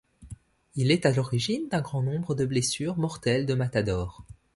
Il est à l'origine d'un grand nombre de blessures mortelles de matadors.